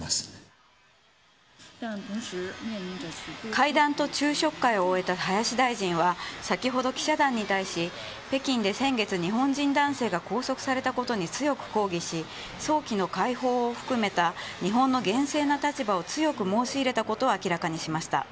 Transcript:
会談と昼食会を終えた林大臣は先ほど記者団に対し北京で先月日本人男性が拘束されたことに強く抗議し早期の解放を含めた日本の厳正な立場を強く申し入れたことを明らかにしました。